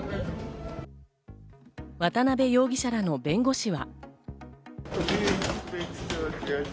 渡辺容疑者らの弁護士は。